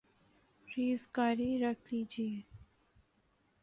ریزگاری رکھ لیجئے